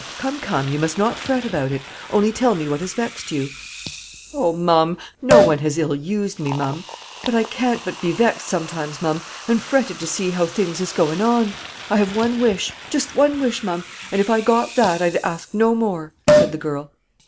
"Come, come, you must not fret about it; only tell me what has vexed you." "Oh! Ma'am, no one has ill used me, ma'am; but I can't but be vexed sometimes, ma'am, and fretted to see how things is going on. I have one wish, just one wish, ma'am, and if I got that, I'd ask no more," said the girl.